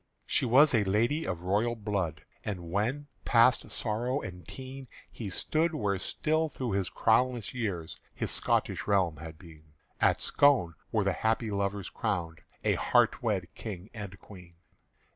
She was a lady of royal blood; And when, past sorrow and teen He stood where still through his crownless years His Scotish realm had been, At Scone were the happy lovers crowned, A heart wed King and Queen.